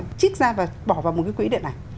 trích ra và bỏ vào một cái quỹ điện ảnh